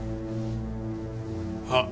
あっ。